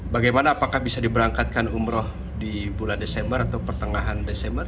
bagaimana apakah bisa diberangkatkan umroh di bulan desember atau pertengahan desember